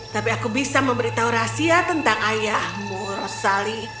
tapi aku bisa memberitahu rahasia tentang ayahmu rosali